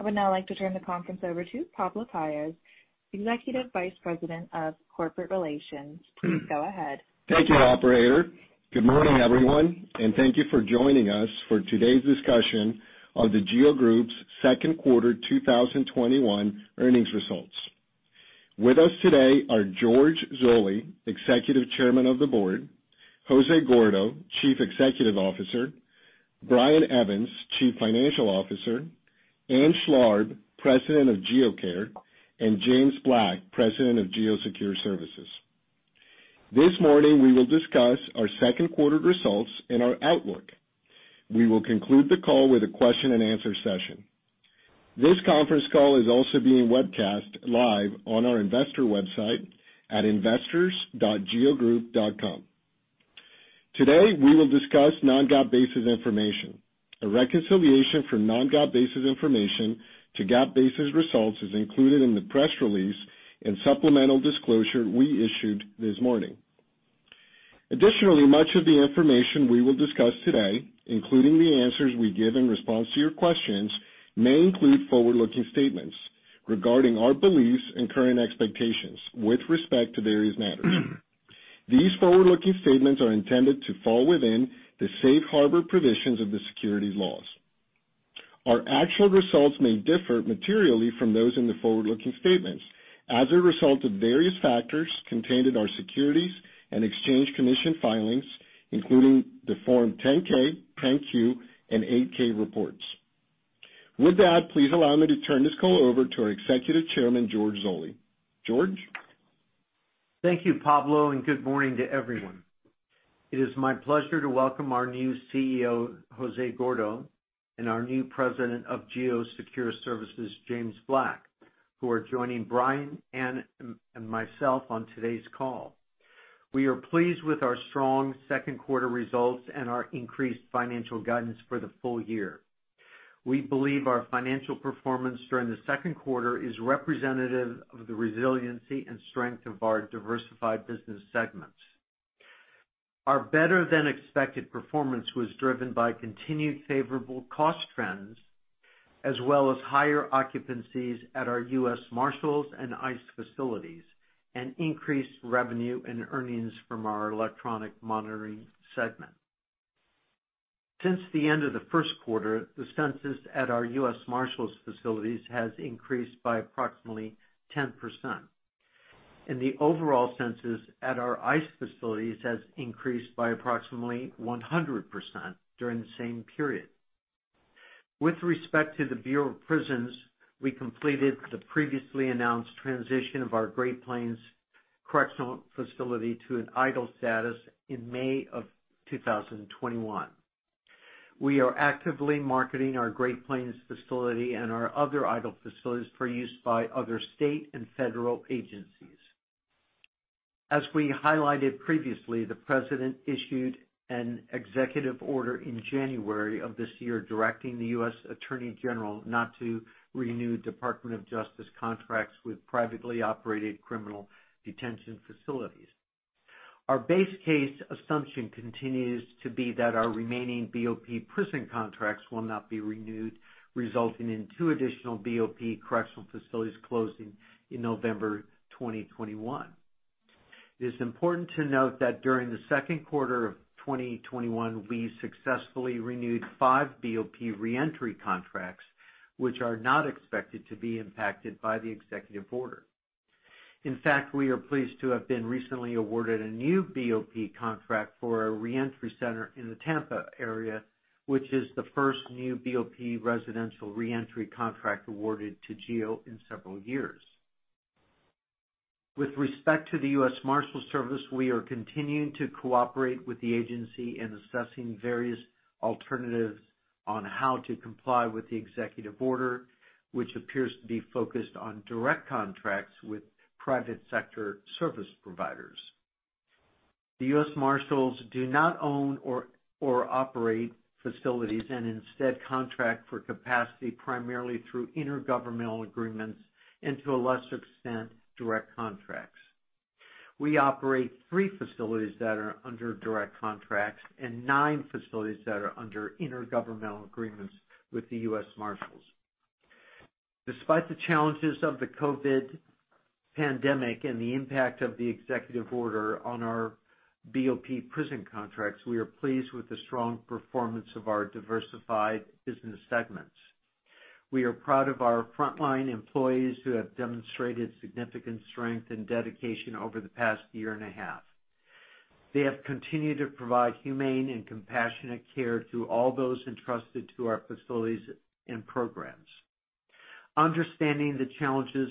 I would now like to turn the conference over to Pablo Paez, Executive Vice President of Corporate Relations. Please go ahead. Thank you, Operator. Good morning, everyone, and thank you for joining us for today's discussion on The GEO Group's Second Quarter 2021 Earnings Results. With us today are George Zoley, Executive Chairman of the Board, Jose Gordo, Chief Executive Officer, Brian Evans, Chief Financial Officer, Ann Schlarb, President of GEO Care, and James Black, President of GEO Secure Services. This morning, we will discuss our second quarter results and our outlook. We will conclude the call with a question and answer session. This conference call is also being webcast live on our investor website at investors.geogroup.com. Today, we will discuss non-GAAP basis information. A reconciliation for non-GAAP basis information to GAAP basis results is included in the press release and supplemental disclosure we issued this morning. Much of the information we will discuss today, including the answers we give in response to your questions, may include forward-looking statements regarding our beliefs and current expectations with respect to various matters. These forward-looking statements are intended to fall within the safe harbor provisions of the securities laws. Our actual results may differ materially from those in the forward-looking statements as a result of various factors contained in our Securities and Exchange Commission filings, including the Form 10-K, 10-Q, and 8-K reports. With that, please allow me to turn this call over to our Executive Chairman, George Zoley. George? Thank you, Pablo. Good morning to everyone. It is my pleasure to welcome our new Chief Executive Officer, Jose Gordo, and our new president of GEO Secure Services, James Black, who are joining Brian and myself on today's call. We are pleased with our strong second quarter results and our increased financial guidance for the full year. We believe our financial performance during the second quarter is representative of the resiliency and strength of our diversified business segments. Our better-than-expected performance was driven by continued favorable cost trends, as well as higher occupancies at our U.S. Marshals and ICE facilities, and increased revenue and earnings from our electronic monitoring segment. Since the end of the first quarter, the census at our U.S. Marshals facilities has increased by approximately 10%, and the overall census at our ICE facilities has increased by approximately 100% during the same period. With respect to the Bureau of Prisons, we completed the previously announced transition of our Great Plains correctional facility to an idle status in May of 2021. We are actively marketing our Great Plains facility and our other idle facilities for use by other state and federal agencies. As we highlighted previously, the President issued an executive order in January of this year, directing the U.S. Attorney General not to renew Department of Justice contracts with privately operated criminal detention facilities. Our base case assumption continues to be that our remaining BOP prison contracts will not be renewed, resulting in two additional BOP correctional facilities closing in November 2021. It is important to note that during the second quarter of 2021, we successfully renewed five BOP reentry contracts, which are not expected to be impacted by the executive order. In fact, we are pleased to have been recently awarded a new BOP contract for a reentry center in the Tampa area, which is the first new BOP residential reentry contract awarded to GEO in several years. With respect to the U.S. Marshals Service, we are continuing to cooperate with the agency in assessing various alternatives on how to comply with the executive order, which appears to be focused on direct contracts with private sector service providers. The U.S. Marshals do not own or operate facilities and instead contract for capacity primarily through intergovernmental agreements and, to a lesser extent, direct contracts. We operate three facilities that are under direct contracts and nine facilities that are under intergovernmental agreements with the U.S. Marshals. Despite the challenges of the COVID pandemic and the impact of the executive order on our BOP prison contracts, we are pleased with the strong performance of our diversified business segments. We are proud of our frontline employees who have demonstrated significant strength and dedication over the past year and a half. They have continued to provide humane and compassionate care to all those entrusted to our facilities and programs. Understanding the challenges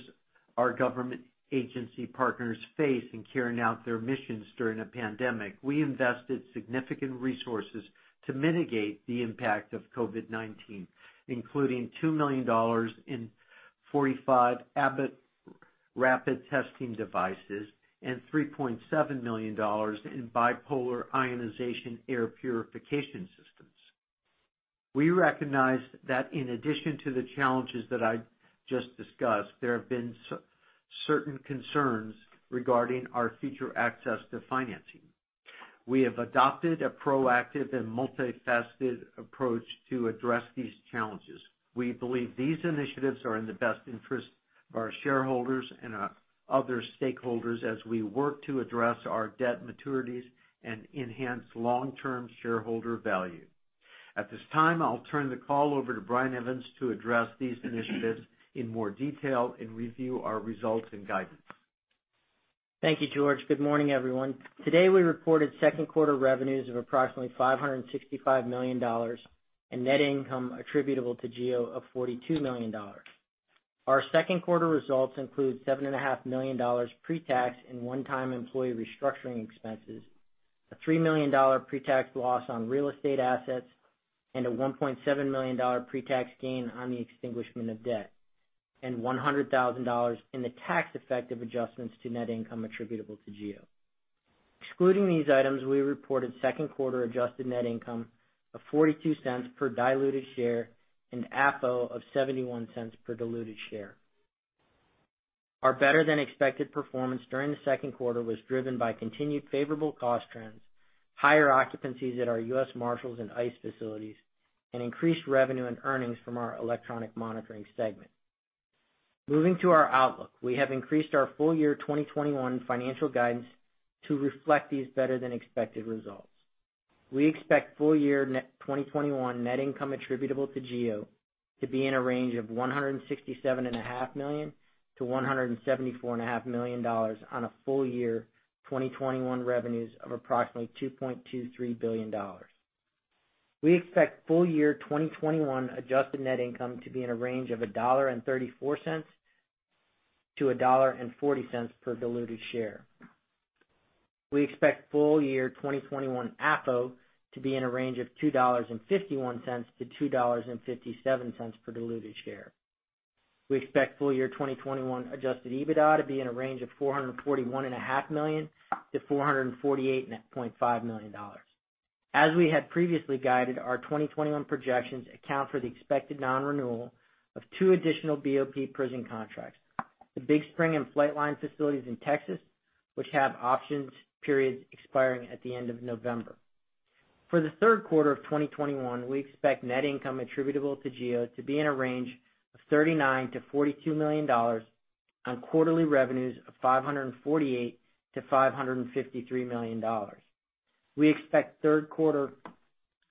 our government agency partners face in carrying out their missions during a pandemic, we invested significant resources to mitigate the impact of COVID-19, including $2 million in 45 Abbott Rapid Testing devices and $3.7 million in bipolar ionization air purification systems. We recognize that in addition to the challenges that I just discussed, there have been certain concerns regarding our future access to financing. We have adopted a proactive and multifaceted approach to address these challenges. We believe these initiatives are in the best interest of our shareholders and our other stakeholders as we work to address our debt maturities and enhance long-term shareholder value. At this time, I'll turn the call over to Brian Evans to address these initiatives in more detail and review our results and guidance. Thank you, George. Good morning, everyone. Today, we reported second quarter revenues of approximately $565 million and net income attributable to GEO of $42 million. Our second quarter results include $7.5 million pre-tax in one-time employee restructuring expenses, a $3 million pre-tax loss on real estate assets, and a $1.7 million pre-tax gain on the extinguishment of debt, and $100,000 in the tax effect of adjustments to net income attributable to GEO. Excluding these items, we reported second quarter adjusted net income of $0.42 per diluted share and AFFO of $0.71 per diluted share. Our better-than-expected performance during the second quarter was driven by continued favorable cost trends, higher occupancies at our U.S. Marshals and ICE facilities, and increased revenue and earnings from our electronic monitoring segment. Moving to our outlook, we have increased our full year 2021 financial guidance to reflect these better than expected results. We expect full year 2021 net income attributable to GEO to be in a range of $167.5 million-$174.5 million on a full year 2021 revenues of approximately $2.23 billion. We expect full year 2021 adjusted net income to be in a range of $1.34-$1.40 per diluted share. We expect full year 2021 AFFO to be in a range of $2.51-$2.57 per diluted share. We expect full year 2021 adjusted EBITDA to be in a range of $441.5 million-$448.5 million. As we had previously guided, our 2021 projections account for the expected non-renewal of two additional BOP prison contracts, the Big Spring and Flightline facilities in Texas, which have options periods expiring at the end of November. For the third quarter of 2021, we expect net income attributable to GEO to be in a range of $39 million-$42 million on quarterly revenues of $548 million-$553 million. We expect third quarter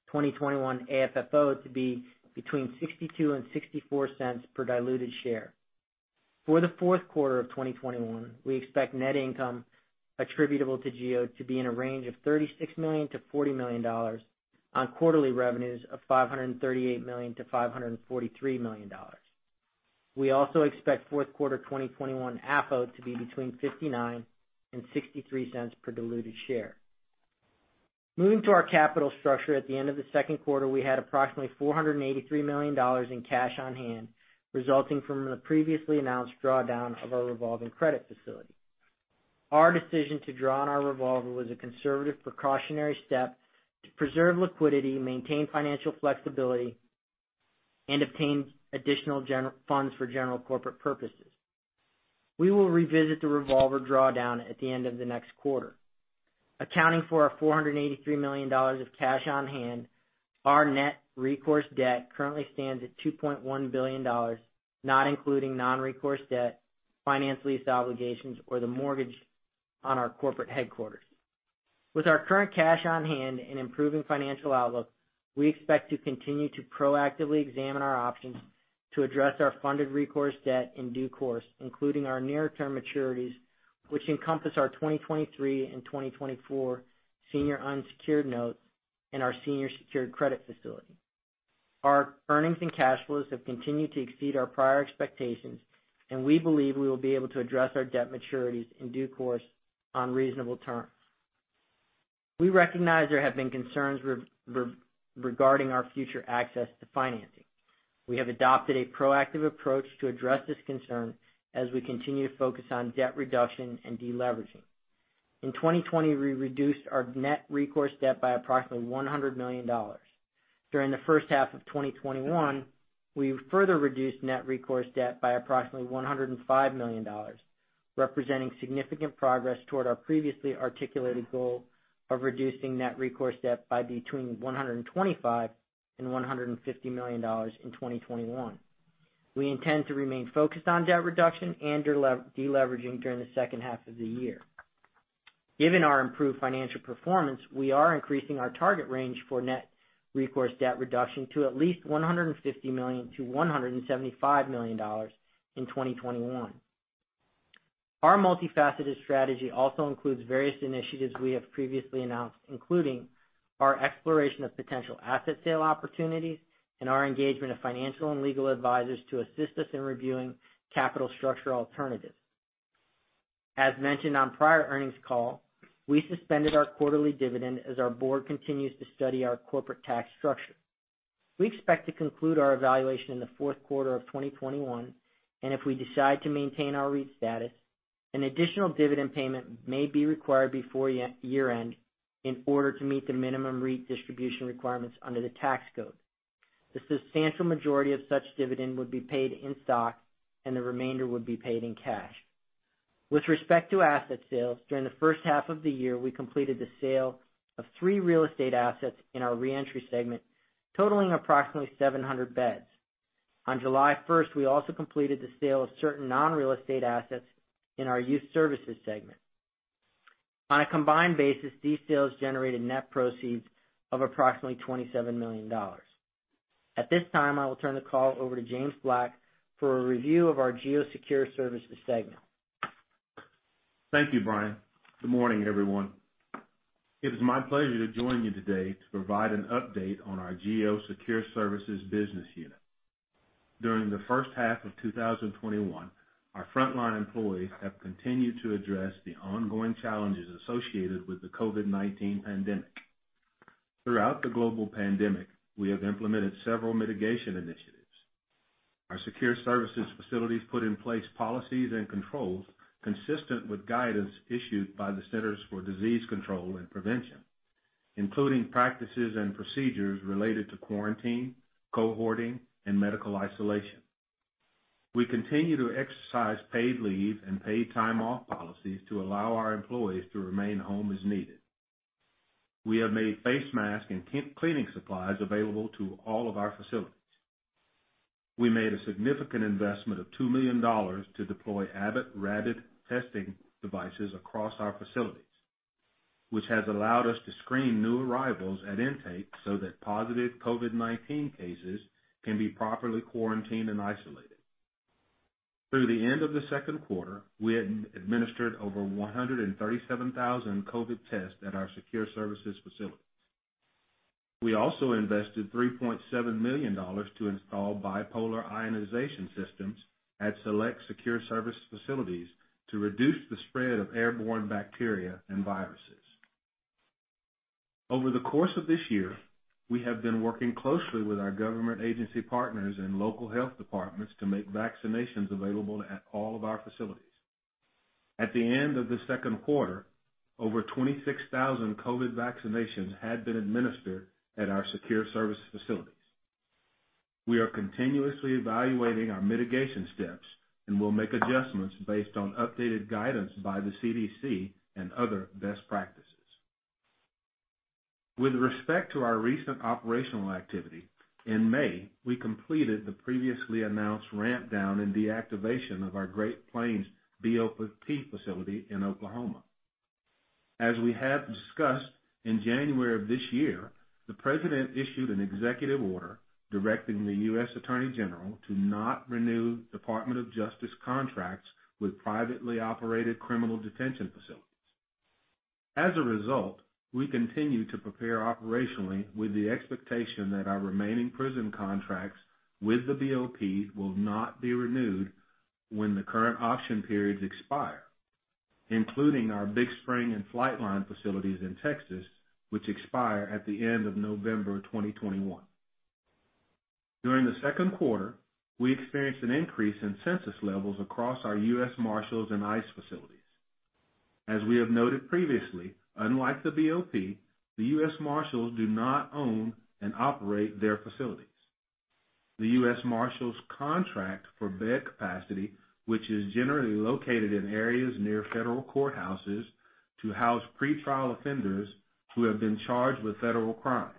2021 AFFO to be between $0.62 and $0.64 per diluted share. For the fourth quarter of 2021, we expect net income attributable to GEO to be in a range of $36 million-$40 million on quarterly revenues of $538 million-$543 million. We also expect fourth quarter 2021 AFFO to be between $0.59 and $0.63 per diluted share. Moving to our capital structure. At the end of the second quarter, we had approximately $483 million in cash on hand, resulting from the previously announced drawdown of our revolving credit facility. Our decision to draw on our revolver was a conservative precautionary step to preserve liquidity, maintain financial flexibility, and obtain additional funds for general corporate purposes. We will revisit the revolver drawdown at the end of the next quarter. Accounting for our $483 million of cash on hand, our net recourse debt currently stands at $2.1 billion, not including non-recourse debt, finance lease obligations, or the mortgage on our corporate headquarters. With our current cash on hand and improving financial outlook, we expect to continue to proactively examine our options to address our funded recourse debt in due course, including our near-term maturities, which encompass our 2023 and 2024 senior unsecured notes and our senior secured credit facility. Our earnings and cash flows have continued to exceed our prior expectations, and we believe we will be able to address our debt maturities in due course on reasonable terms. We recognize there have been concerns regarding our future access to financing. We have adopted a proactive approach to address this concern as we continue to focus on debt reduction and de-leveraging. In 2020, we reduced our net recourse debt by approximately $100 million. During the first half of 2021, we further reduced net recourse debt by approximately $105 million, representing significant progress toward our previously articulated goal of reducing net recourse debt by between $125 million and $150 million in 2021. We intend to remain focused on debt reduction and de-leveraging during the second half of the year. Given our improved financial performance, we are increasing our target range for net recourse debt reduction to at least $150 million-$175 million in 2021. Our multifaceted strategy also includes various initiatives we have previously announced, including our exploration of potential asset sale opportunities and our engagement of financial and legal advisors to assist us in reviewing capital structure alternatives. As mentioned on prior earnings call, we suspended our quarterly dividend as our board continues to study our corporate tax structure. We expect to conclude our evaluation in the fourth quarter of 2021, and if we decide to maintain our REIT status, an additional dividend payment may be required before year-end in order to meet the minimum REIT distribution requirements under the tax code. The substantial majority of such dividend would be paid in stock, and the remainder would be paid in cash. With respect to asset sales, during the first half of the year, we completed the sale of three real estate assets in our GEO Care segment, totaling approximately 700 beds. On July 1st, we also completed the sale of certain non-real estate assets in our GEO Youth Services segment. On a combined basis, these sales generated net proceeds of approximately $27 million. At this time, I will turn the call over to James Black for a review of our GEO Secure Services segment. Thank you, Brian. Good morning, everyone. It is my pleasure to join you today to provide an update on our GEO Secure Services business unit. During the first half of 2021, our frontline employees have continued to address the ongoing challenges associated with the COVID-19 pandemic. Throughout the global pandemic, we have implemented several mitigation initiatives. Our Secure Services facilities put in place policies and controls consistent with guidance issued by the Centers for Disease Control and Prevention, including practices and procedures related to quarantine, cohorting, and medical isolation. We continue to exercise paid leave and paid time off policies to allow our employees to remain home as needed. We have made face masks and cleaning supplies available to all of our facilities. We made a significant investment of $2 million to deploy Abbott Rapid Testing devices across our facilities, which has allowed us to screen new arrivals at intake so that positive COVID-19 cases can be properly quarantined and isolated. Through the end of the second quarter, we had administered over 137,000 COVID tests at our Secure Services facilities. We also invested $3.7 million to install bipolar ionization systems at select Secure Services facilities to reduce the spread of airborne bacteria and viruses. Over the course of this year, we have been working closely with our government agency partners and local health departments to make vaccinations available at all of our facilities. At the end of the second quarter, over 26,000 COVID vaccinations had been administered at our Secure Services facilities. We are continuously evaluating our mitigation steps and will make adjustments based on updated guidance by the CDC and other best practices. With respect to our recent operational activity, in May, we completed the previously announced ramp down and deactivation of our Great Plains BOP facility in Oklahoma. As we have discussed, in January of this year, the President issued an executive order directing the U.S. Attorney General to not renew Department of Justice contracts with privately operated criminal detention facilities. As a result, we continue to prepare operationally with the expectation that our remaining prison contracts with the BOP will not be renewed when the current option periods expire, including our Big Spring and Flightline facilities in Texas, which expire at the end of November 2021. During the second quarter, we experienced an increase in census levels across our U.S. Marshals and ICE facilities. As we have noted previously, unlike the BOP, the U.S. Marshals do not own and operate their facilities. The U.S. Marshals contract for bed capacity, which is generally located in areas near federal courthouses to house pretrial offenders who have been charged with federal crimes.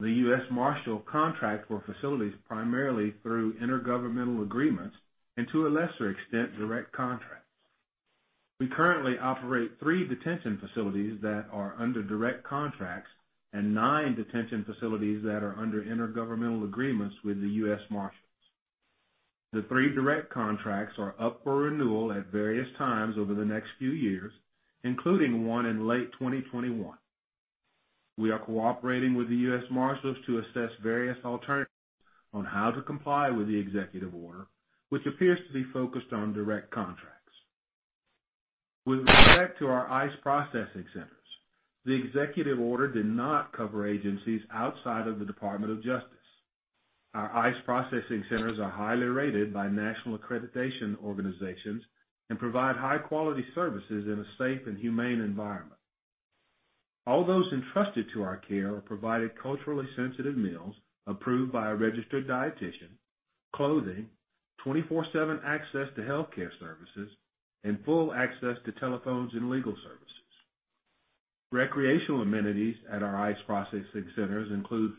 The U.S. Marshals contract for facilities primarily through intergovernmental agreements and, to a lesser extent, direct contracts. We currently operate three detention facilities that are under direct contracts and nine detention facilities that are under intergovernmental agreements with the U.S. Marshals. The three direct contracts are up for renewal at various times over the next few years, including 1 in late 2021. We are cooperating with the U.S. Marshals to assess various alternatives on how to comply with the executive order, which appears to be focused on direct contracts. With respect to our ICE processing centers, the executive order did not cover agencies outside of the Department of Justice. Our ICE processing centers are highly rated by national accreditation organizations and provide high-quality services in a safe and humane environment. All those entrusted to our care are provided culturally sensitive meals approved by a registered dietitian, clothing, 24/7 access to healthcare services, and full access to telephones and legal services. Recreational amenities at our ICE processing centers include.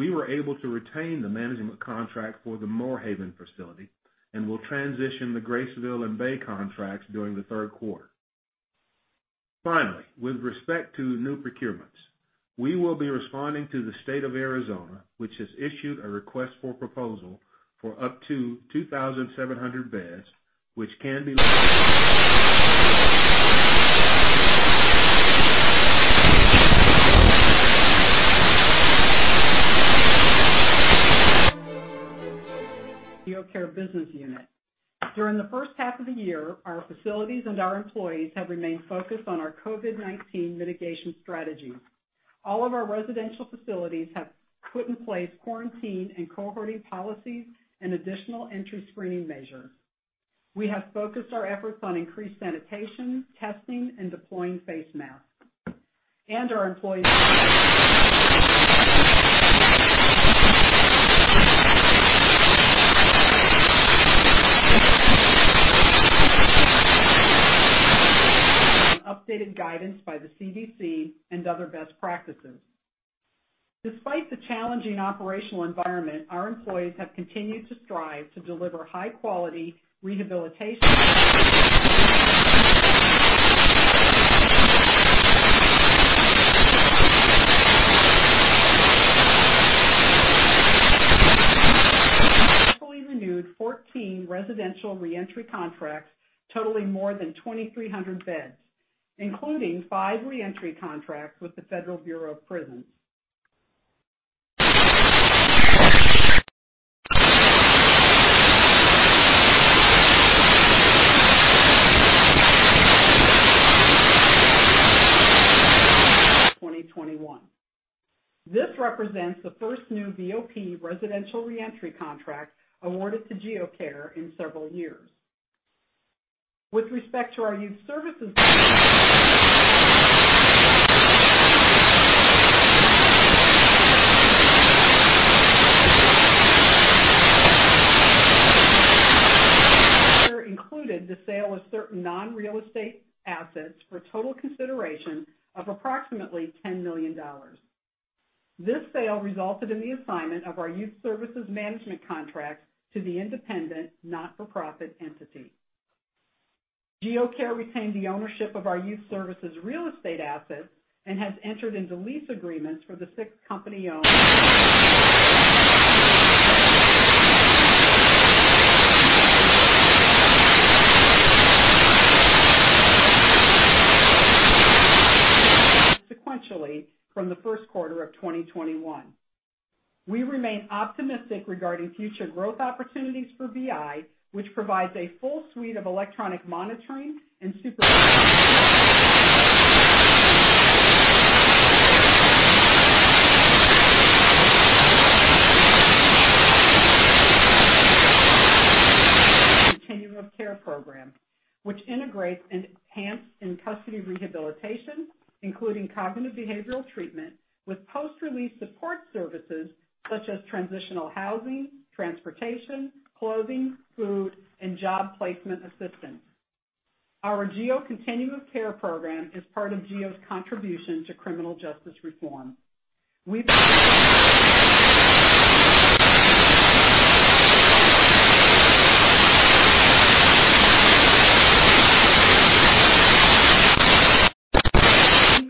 Following a protest of the procurement, we were able to retain the management contract for the Moore Haven facility and will transition the Graceville and Bay contracts during the third quarter. Finally, with respect to new procurements, we will be responding to the State of Arizona, which has issued a request for proposal for up to 2,700 beds. GEO Care business unit. During the first half of the year, our facilities and our employees have remained focused on our COVID-19 mitigation strategies. All of our residential facilities have put in place quarantine and cohorting policies and additional entry screening measures. We have focused our efforts on increased sanitation, testing, and deploying face masks. Our employees on updated guidance by the CDC and other best practices. Despite the challenging operational environment, our employees have continued to strive to deliver high-quality rehabilitation successfully renewed 14 residential reentry contracts totaling more than 2,300 beds, including five reentry contracts with the Federal Bureau of Prisons. 2021. This represents the first new BOP residential reentry contract awarded to GEO Care in several years. With respect to our GEO Youth Services. Included the sale of certain non-real estate assets for a total consideration of approximately $10 million. This sale resulted in the assignment of our Youth Services management contracts to the independent not-for-profit entity. GEO Care retained the ownership of our Youth Services real estate assets and has entered into lease agreements for the six company-owned. Sequentially from the first quarter of 2021. We remain optimistic regarding future growth opportunities for BI, which provides a full suite of electronic monitoring. The GEO Continuum of Care program, which integrates enhanced in-custody rehabilitation, including cognitive behavioral treatment, with post-release support services such as transitional housing, transportation, clothing, food, and job placement assistance. Our GEO Continuum of Care program is part of GEO's contribution to criminal justice reform. The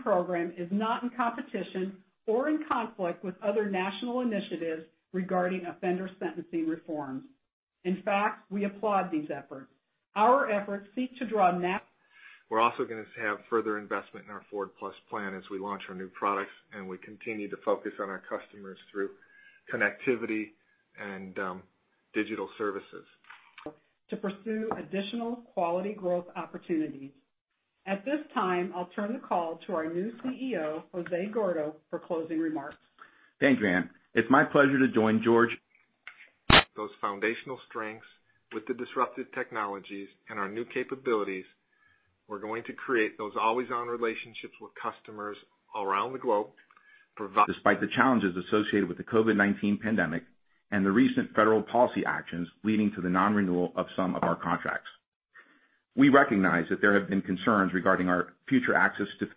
program is not in competition or in conflict with other national initiatives regarding offender sentencing reforms. In fact, we applaud these efforts. Our efforts seek to draw. We're also going to have further investment in our Ford+ plan as we launch our new products, and we continue to focus on our customers through connectivity and digital services. To pursue additional quality growth opportunities. At this time, I'll turn the call to our new Chief Executive Officer, Jose Gordo, for closing remarks. Thanks, Ann. It's my pleasure to join George- Those foundational strengths with the disruptive technologies and our new capabilities, we're going to create those always-on relationships with customers around the globe, provide. Despite the challenges associated with the COVID-19 pandemic and the recent federal policy actions leading to the non-renewal of some of our contracts. We recognize that there have been concerns regarding our future access to.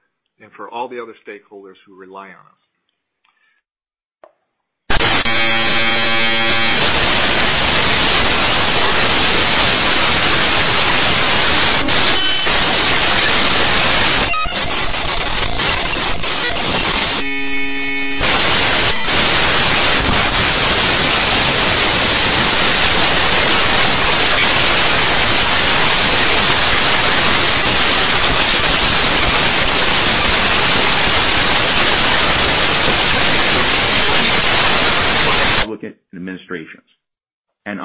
For all the other stakeholders who rely on us.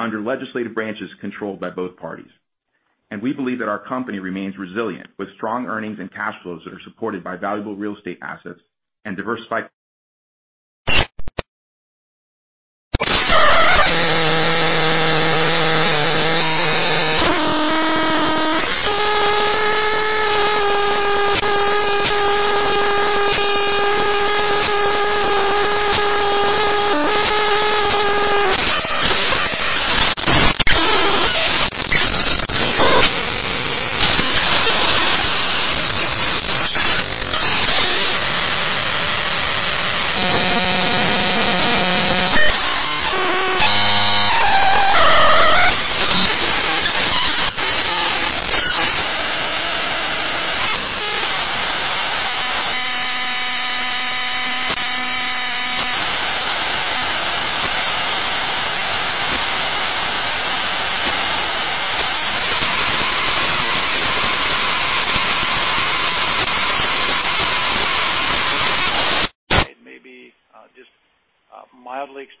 Democratic and Republican administrations, and under legislative branches controlled by both parties. We believe that our company remains resilient with strong earnings and cash flows that are supported by valuable real estate assets and diversified.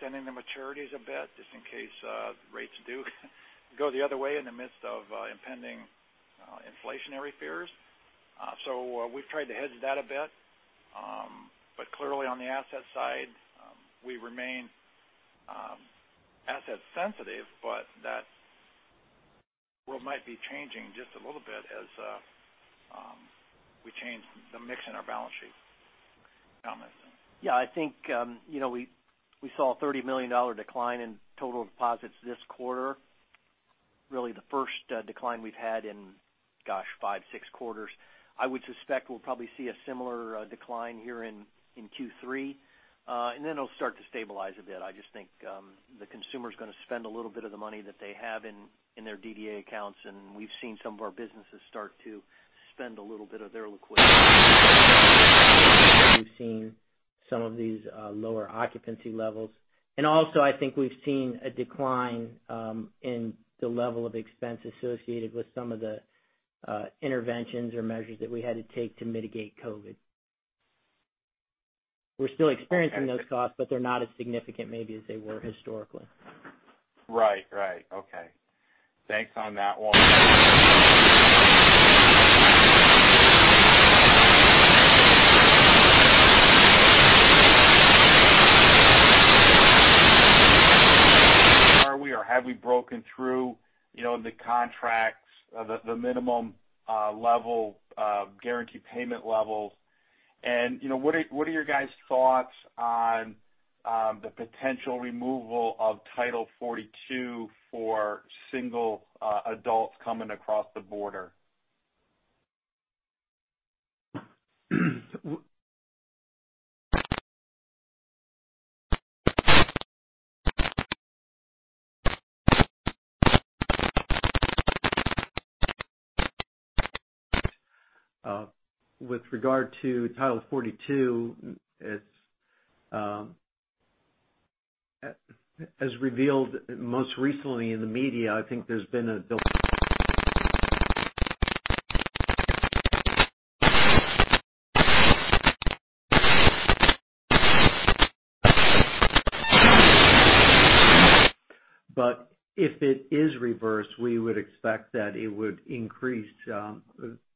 Maybe just mildly extending the maturities a bit just in case rates do go the other way in the midst of impending inflationary fears. We've tried to hedge that a bit. Clearly on the asset side, we remain asset sensitive, but that world might be changing just a little bit as we change the mix in our balance sheet. Tom? Yeah, I think we saw a $30 million decline in total deposits this quarter. Really the first decline we've had in, gosh, five, six quarters. I would suspect we'll probably see a similar decline here in Q3. Then it'll start to stabilize a bit. I just think the consumer's going to spend a little bit of the money that they have in their DDA accounts, and we've seen some of our businesses start to spend a little bit of their liquidity. We've seen some of these lower occupancy levels. Also I think we've seen a decline in the level of expense associated with some of the interventions or measures that we had to take to mitigate COVID. We're still experiencing those costs, but they're not as significant maybe as they were historically. Right. Okay. Thanks on that one. Are we or have we broken through the contracts, the minimum guarantee payment levels? What are your guys' thoughts on the potential removal of Title 42 for single adults coming across the border? With regard to Title 42, as revealed most recently in the media, I think there's been a delay. But if it is reversed, we would expect that it would increase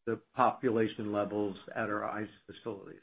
the population levels at our ICE facilities.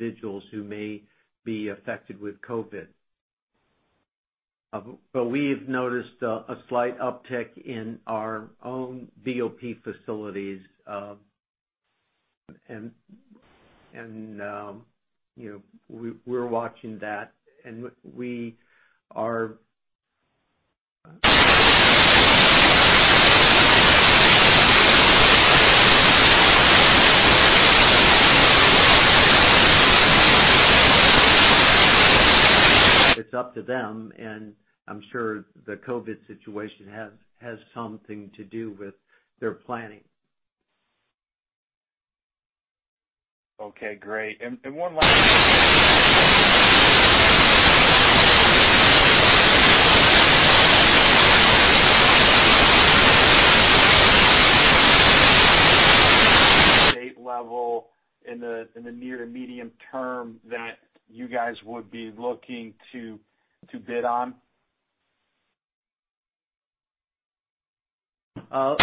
Okay. The need for separation of individuals who may be affected with COVID. We've noticed a slight uptick in our own BOP facilities. We're watching that, It's up to them, and I'm sure the COVID situation has something to do with their planning. Okay, great. State level in the near to medium term that you guys would be looking to bid on? Our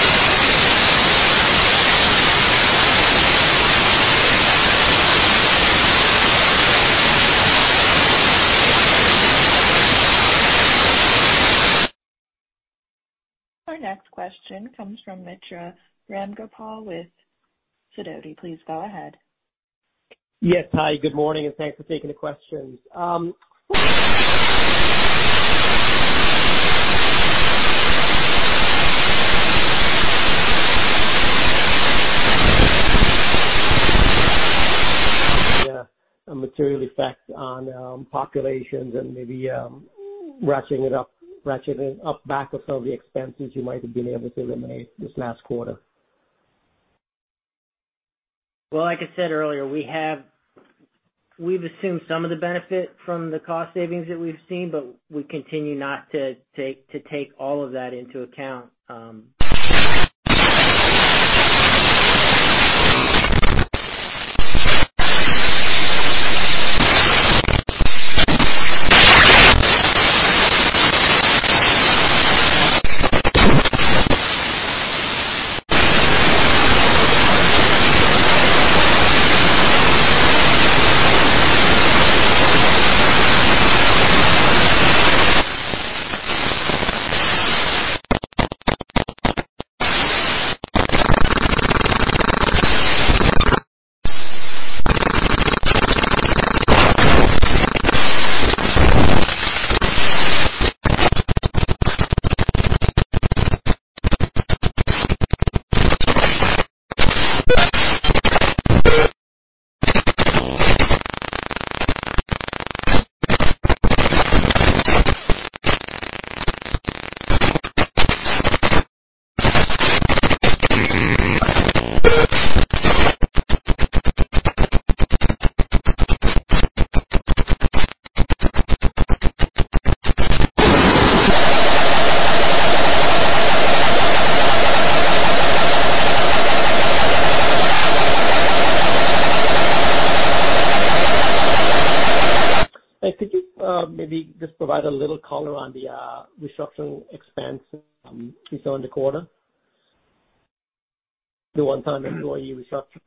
next question comes from Mitra Ramgopal with Sidoti. Please go ahead. Yes, hi, good morning, and thanks for taking the questions. a material effect on populations and maybe ratcheting up back of some of the expenses you might have been able to eliminate this last quarter? Well, like I said earlier, we've assumed some of the benefit from the cost savings that we've seen, but we continue not to take all of that into account. Could you maybe just provide a little color on the restructuring expense you showed in the quarter? The one-time employee restructuring.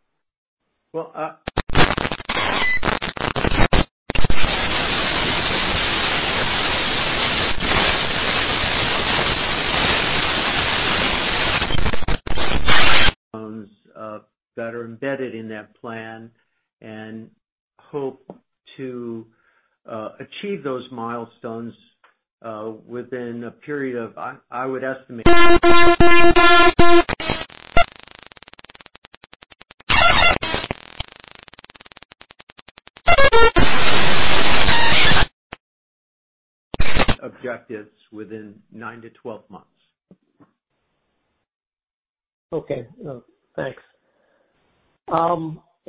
That are embedded in that plan and hope to achieve those milestones within a period of objectives within 9-12 months. Okay. Thanks.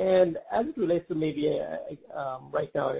as it relates to maybe right now.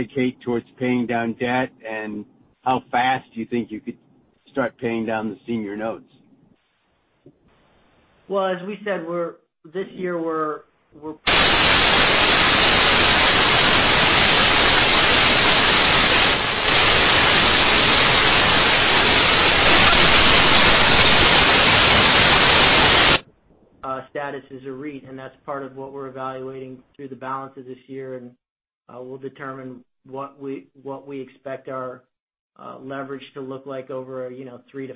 How much would you dedicate towards paying down debt, and how fast do you think you could start paying down the senior notes? Well, as we said, this year status as a REIT, and that's part of what we're evaluating through the balance of this year, and we'll determine what we expect our leverage to look like over a three to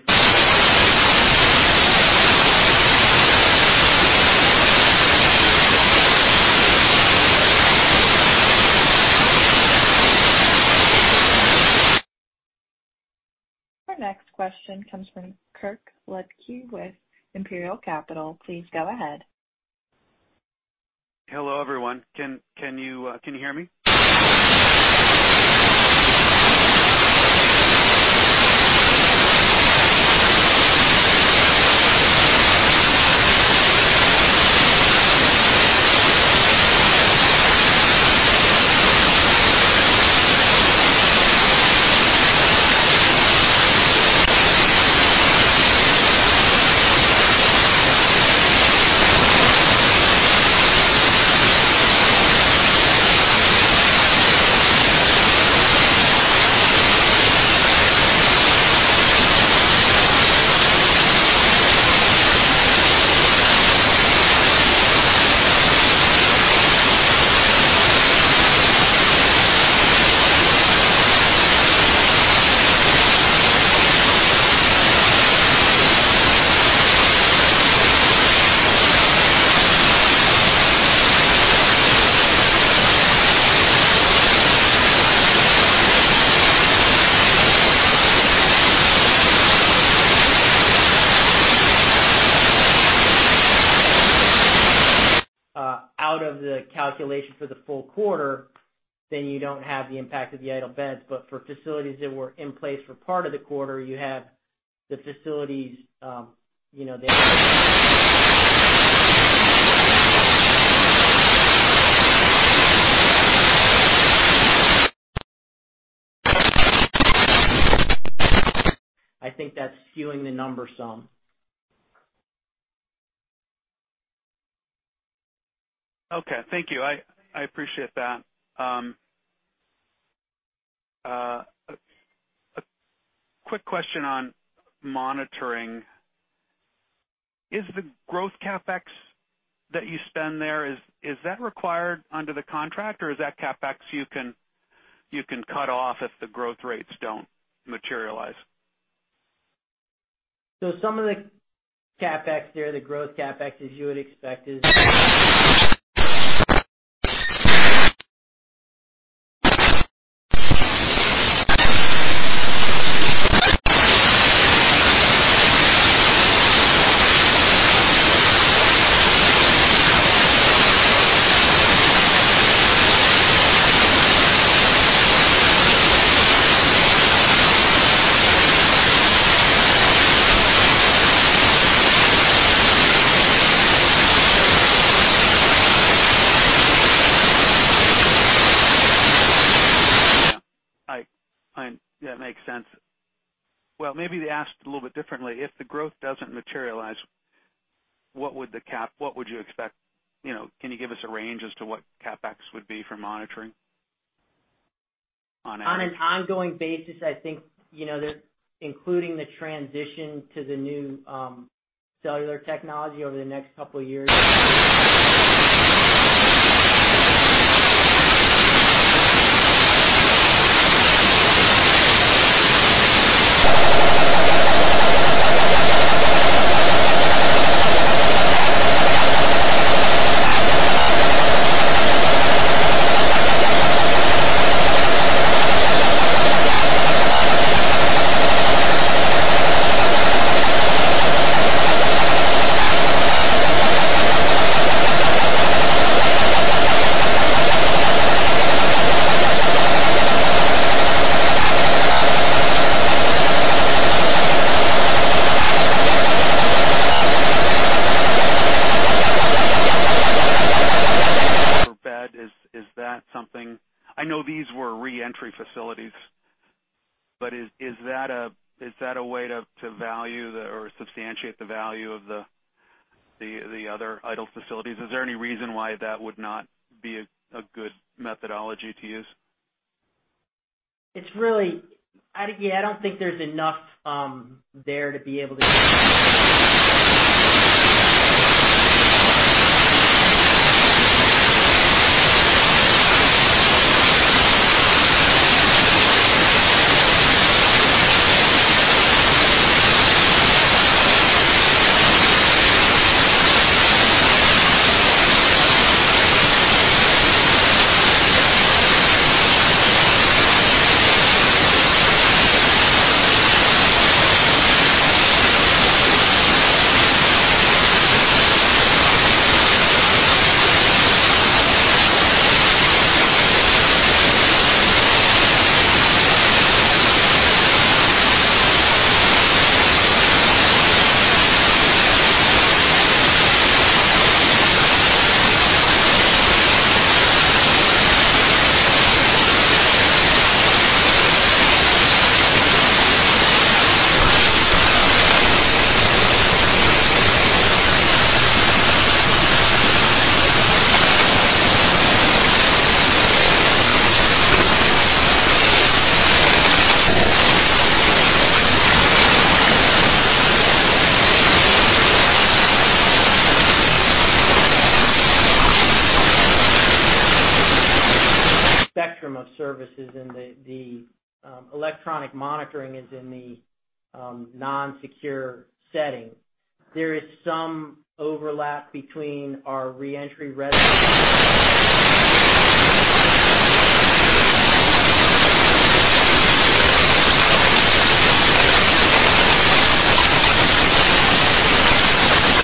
five-year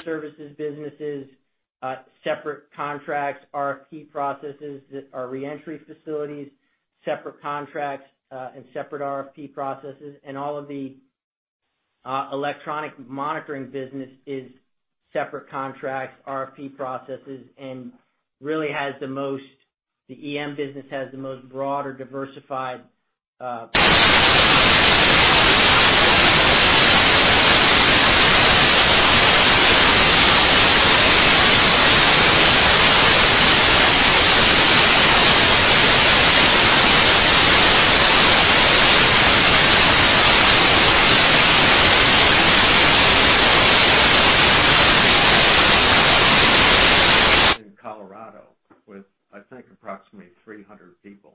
services businesses, separate contracts, RFP processes that are reentry facilities, separate contracts, and separate RFP processes. All of the electronic monitoring business is separate contracts, RFP processes. In Colorado with, I think, approximately 300 people.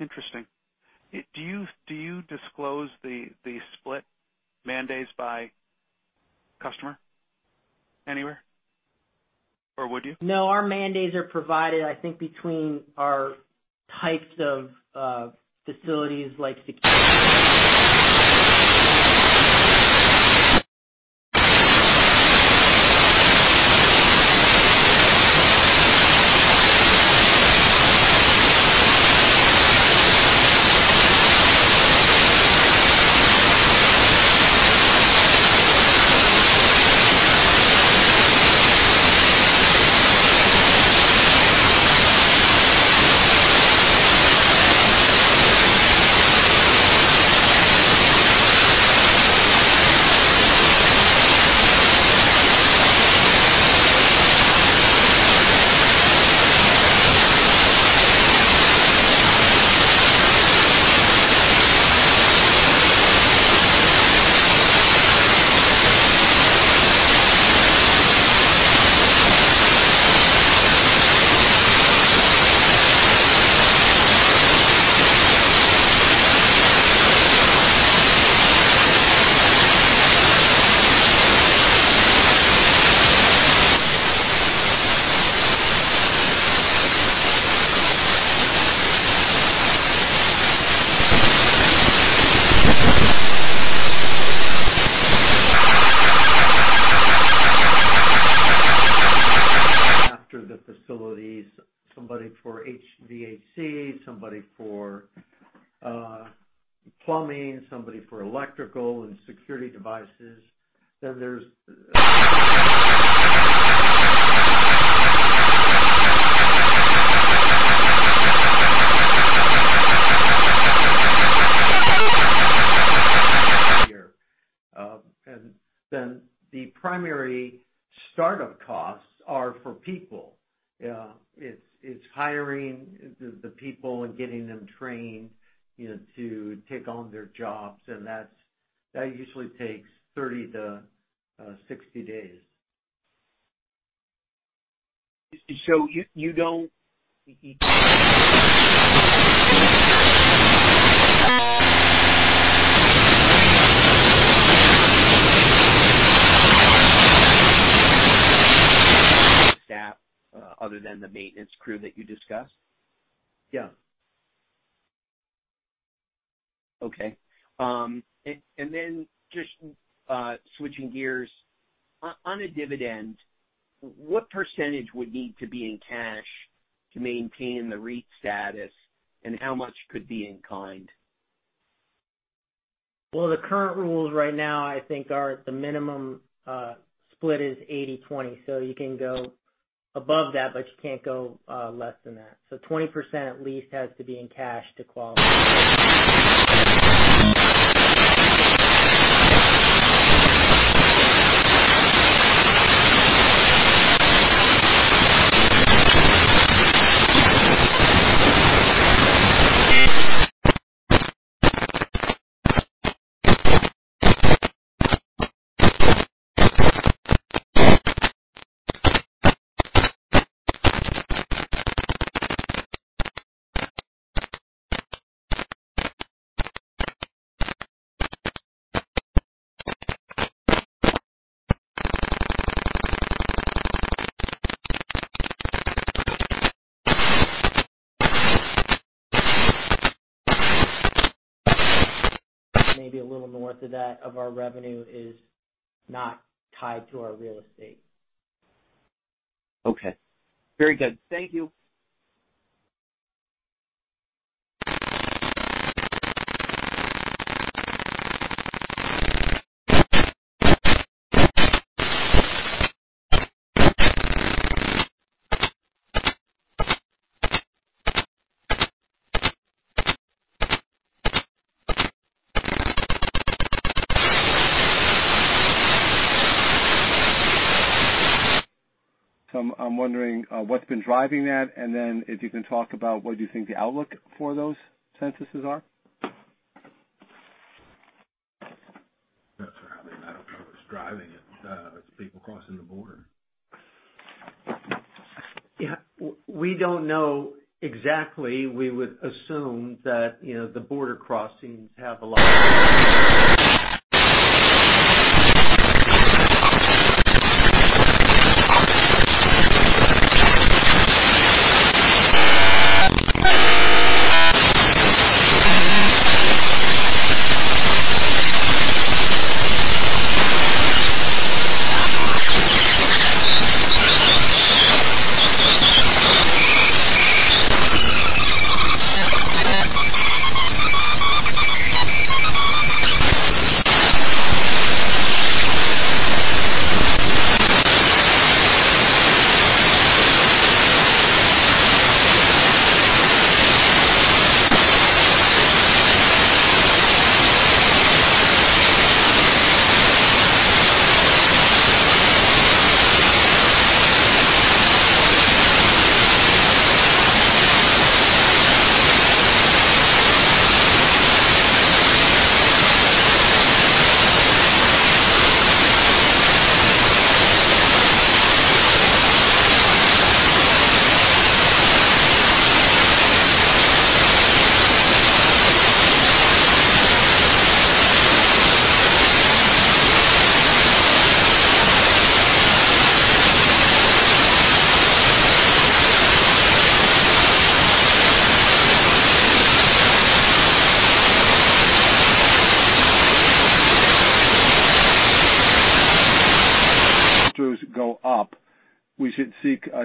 Interesting. Do you disclose the split mandates by customer anywhere, or would you? No, our mandates are provided, I think, between our types of facilities like secure. After the facilities, somebody for HVAC, somebody for plumbing, somebody for electrical and security devices. The primary startup costs are for people. It's hiring the people and getting them trained to take on their jobs. That usually takes 30-60 days. You don't staff other than the maintenance crew that you discussed? Yeah. Okay. Just switching gears. On a dividend, what percentage would need to be in cash to maintain the REIT status, and how much could be in kind? Well, the current rules right now, I think are at the minimum split is 80/20. You can go above that, but you can't go less than that. 20% at least has to be in cash to qualify. Maybe a little north of that, of our revenue is not tied to our real estate. Okay. Very good. Thank you. I'm wondering what's been driving that, and then if you can talk about what you think the outlook for those censuses are. Driving it, is people crossing the border? Yeah. We don't know exactly. We would assume that the border crossings have a lot. go up, we should see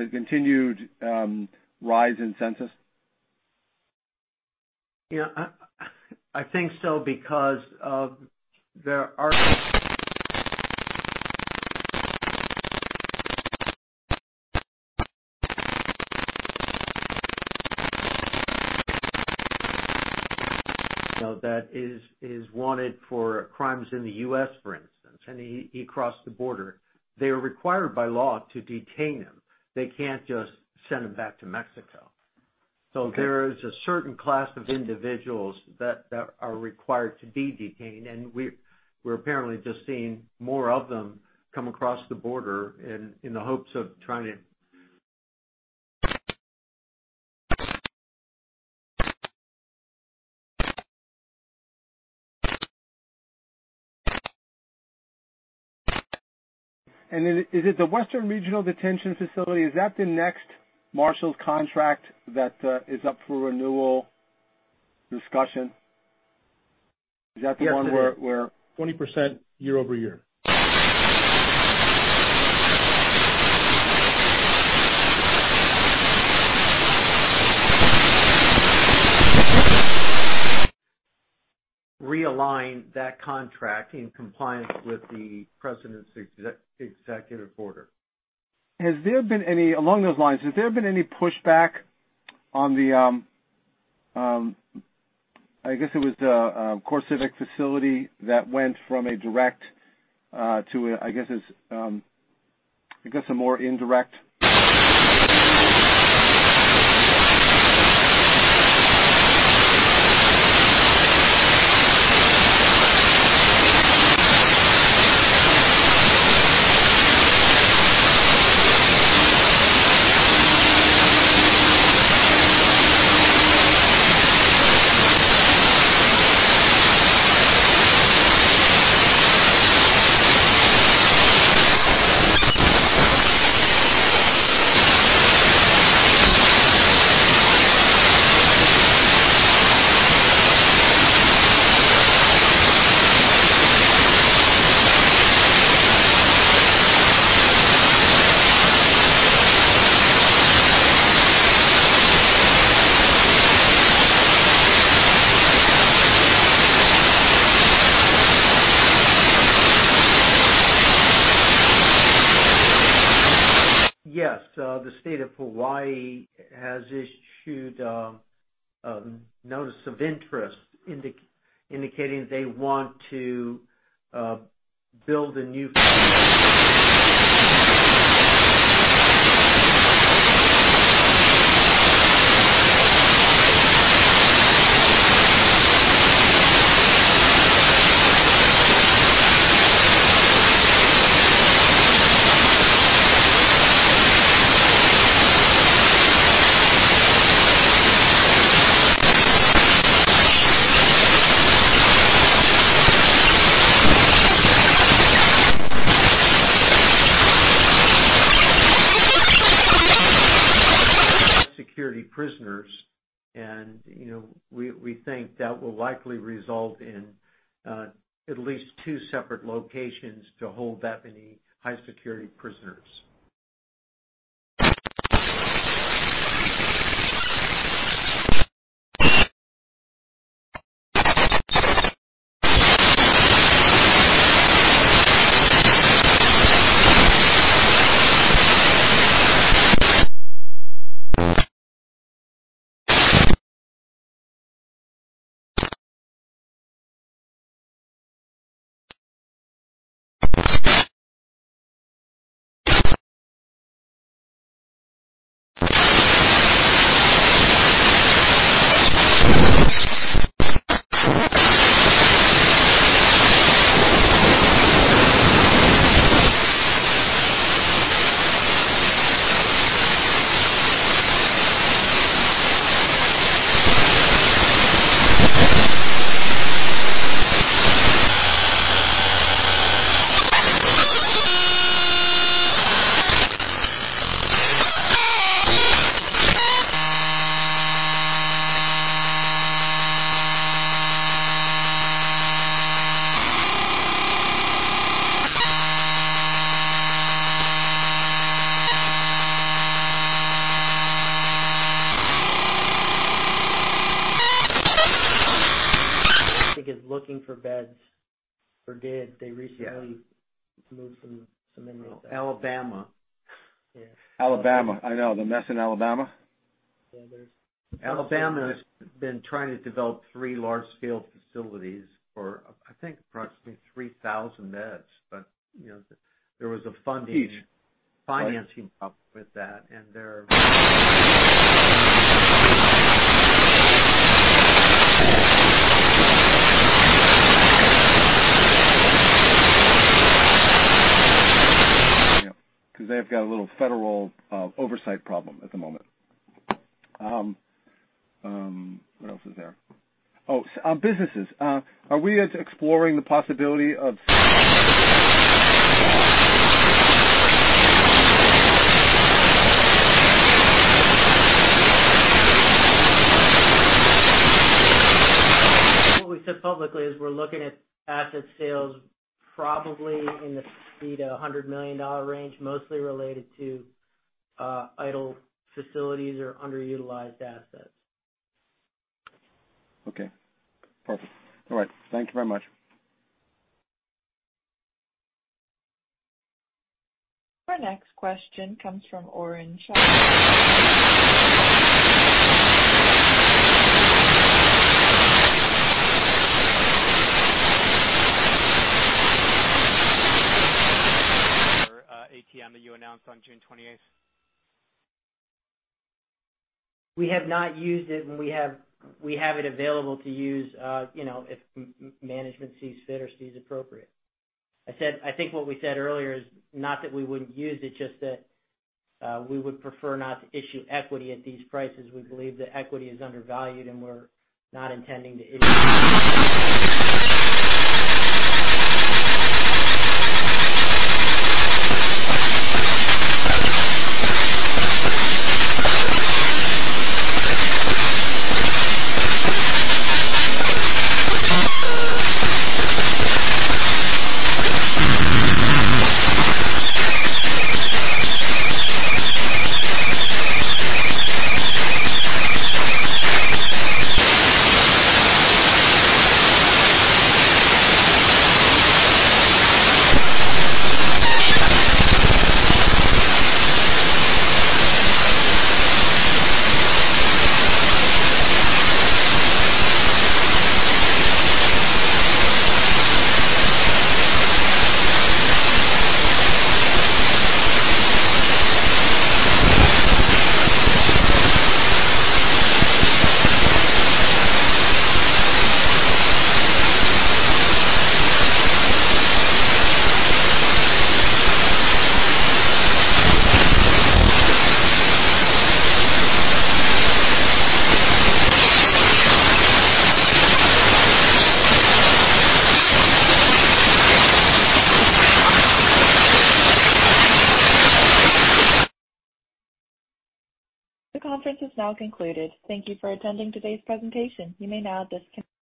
a continued rise in census? Yeah. I think so because that is wanted for crimes in the U.S., for instance, and he crossed the border, they are required by law to detain him. They can't just send him back to Mexico. Okay. There is a certain class of individuals that are required to be detained, and we're apparently just seeing more of them come across the border in the hopes of. Is it the Western Regional Detention Facility, is that the next Marshals contract that is up for renewal discussion? Yes, it is. 20% year-over-year. Realign that contract in compliance with the president's executive order. Along those lines, has there been any pushback on the, I guess it was the CoreCivic facility that went from a direct to, I guess a more indirect? Yes. The State of Hawaii has issued a notice of interest indicating they want to build security prisoners and we think that will likely result in at least 2 separate locations to hold that many high security prisoners. I think is looking for beds for kids. They recently moved some inmates out. Alabama. Alabama. I know. The mess in Alabama? Alabama has been trying to develop three large-scale facilities for, I think, approximately 3,000 beds. There was a. Huge. Financing problem with that, and they're. Because they've got a little federal oversight problem at the moment. What else is there? Oh, businesses. Are we exploring the possibility of? What we said publicly is we're looking at asset sales probably in the $50 million-$100 million range, mostly related to idle facilities or underutilized assets. Okay, perfect. All right. Thank you very much. Our next question comes from Oren Shah. For ATM that you announced on June 28th. We have not used it, and we have it available to use if management sees fit or sees appropriate. I think what we said earlier is not that we wouldn't use it, just that we would prefer not to issue equity at these prices. We believe that equity is undervalued, and we're not intending to issue. The conference is now concluded. Thank you for attending today's presentation. You may now disconnect.